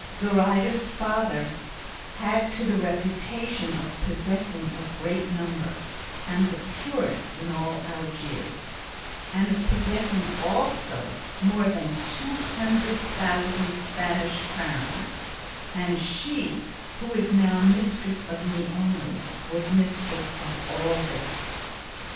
Zoraida's father had to the reputation of possessing a great number, and the purest in all Algiers, and of possessing also more than two hundred thousand Spanish crowns; and she, who is now mistress of me only, was mistress of all this.